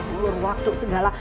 ngulur ngulur waktu segala